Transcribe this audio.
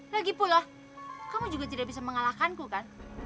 lagipula kamu juga tidak bisa mengalahkanku kan